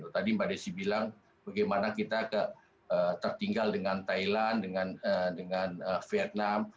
tadi mbak desi bilang bagaimana kita tertinggal dengan thailand dengan vietnam